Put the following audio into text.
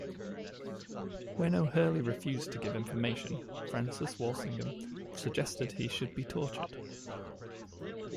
When O'Hurley refused to give information, Francis Walsingham suggested he should be tortured.